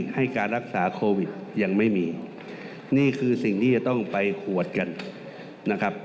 ให้การรักษาโควิดยังไม่มีนี่คือสิ่งที่จะต้องไปขวดกันนะครับ